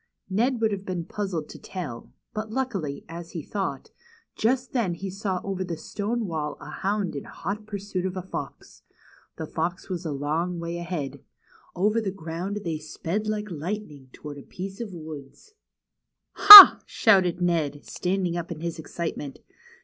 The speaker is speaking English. Ned would have been puzzled to tell, but luckily, as he thought, just then he saw over the stone wall a hound in hot pursuit of a fox. The fox was a long BEHIND THE WARDROBE. 63 way ahead. Over the ground they sped like lightning toward a piece of woods. ^^Ha!" shouted Ned, standing up in his excitement.